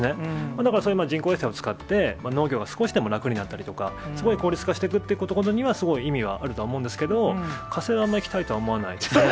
だからそういう人工衛星を使って、農業が少しでも楽になったりとか、すごい効率化していくことということには、すごい意味があるとは思うんですけど、火星はあんま行きたいとは思わないですね。